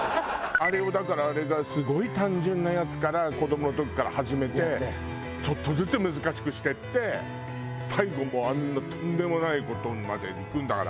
あれをだからあれがすごい単純なやつから子どもの時から始めてちょっとずつ難しくしていって最後もうあんなとんでもない事までいくんだから。